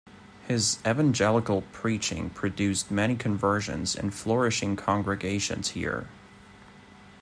His evangelical preaching produced many conversions and flourishing congregations here.